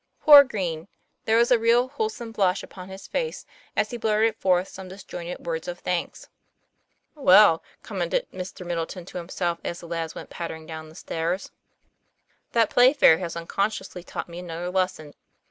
Poor Green! there was a real, wholesome blush upon his face as he blurted forth some disjointed words of thanks. 'Well," commented Mr. Middleton to himself, as the lads went pattering down the stairs, u that Play 7 TOM PLAYFAIR. fair has unconsciously taught me another lesson.